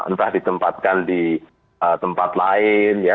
entah ditempatkan di tempat lain ya